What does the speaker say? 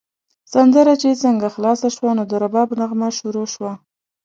سندره چې څنګه خلاصه شوه، نو د رباب نغمه شروع شوه.